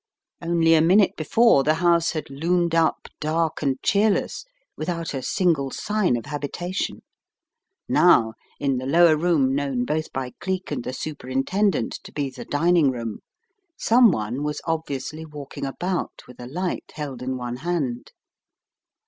" Only a minute before the house had loomed up dark and cheerless, without a single sign of habita tion. Now in the lower room known both by Cleek and the superintendent to be the dining room, someone was obviously walking about with a light held in one hand.